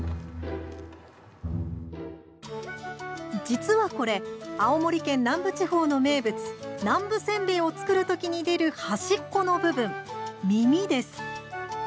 実は、これ青森県南部地方の名物南部せんべいを作るときに出る端っこの部分、「みみ」です。